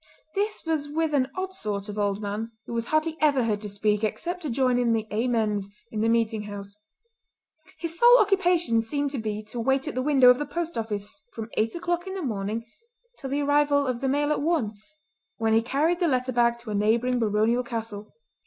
This was with an odd sort of old man who was hardly ever heard to speak except to join in the "Amens" in the meeting house. His sole occupation seemed to be to wait at the window of the post office from eight o'clock in the morning till the arrival of the mail at one, when he carried the letter bag to a neighbouring baronial castle.